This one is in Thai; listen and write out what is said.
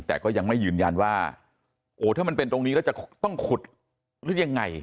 แต่ก็ยังไม่ยืนยันว่าโอ้ถ้ามันเป็นตรงนี้แล้วจะต้องขุดหรือยังไง